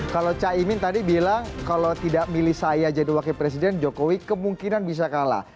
kalau caimin tadi bilang kalau tidak milih saya jadi wakil presiden jokowi kemungkinan bisa kalah